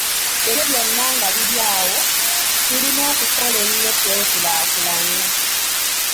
"Ebyo byonna nga biri awo, tulina okukola ennyo twekulaakulanye."